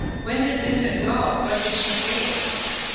When did Minta go ? What did she take